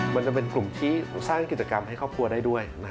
มันจะเป็นกลุ่มที่สร้างกิจกรรมให้ครอบครัวได้ด้วย